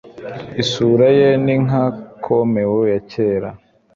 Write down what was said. isura ye ni nka comeo ya kera